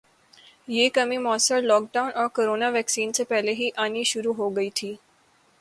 یہ کمی موثر لوک ڈاون اور کورونا ویکسین سے پہلے ہی آنی شروع ہو گئی تھی